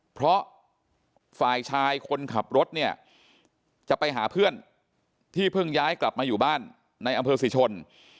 เพราะฝ่ายชายคนขับรถเนี่ยจะไปหาเพื่อนที่เพิ่งย้ายกลับมาอยู่บ้านในอำเภอศรีชน